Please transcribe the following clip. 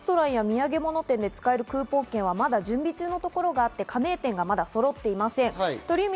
レストランや土産物店で使えるクーポン券はまだ準備中のところがあって加盟店がまだそろっていません。